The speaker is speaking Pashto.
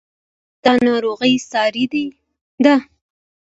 ایا دا ناروغي ساری ده؟